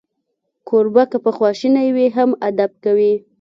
کوربه که په خواشینۍ وي، هم ادب کوي.